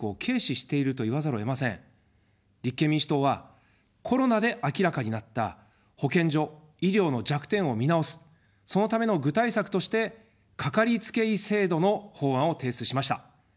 立憲民主党は、コロナで明らかになった保健所・医療の弱点を見直す、そのための具体策として、かかりつけ医制度の法案を提出しました。